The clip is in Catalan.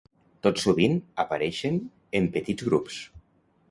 Tot sovint apareixen en petits grups.